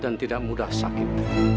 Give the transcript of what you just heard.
dan tidak mudah sakit